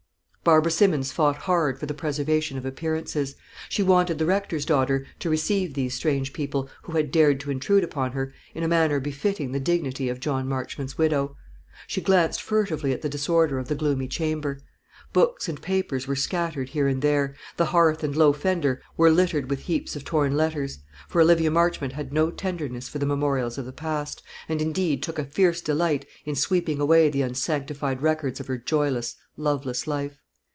Barbara Simmons fought hard for the preservation of appearances. She wanted the Rector's daughter to receive these strange people, who had dared to intrude upon her, in a manner befitting the dignity of John Marchmont's widow. She glanced furtively at the disorder of the gloomy chamber. Books and papers were scattered here and there; the hearth and low fender were littered with heaps of torn letters, for Olivia Marchmont had no tenderness for the memorials of the past, and indeed took a fierce delight in sweeping away the unsanctified records of her joyless, loveless life.